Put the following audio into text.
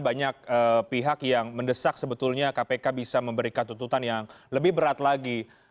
banyak pihak yang mendesak sebetulnya kpk bisa memberikan tuntutan yang lebih berat lagi